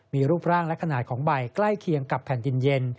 มีรูปร่างและขนาดของใบใกล้เคียงกับแผ่นดินเย็น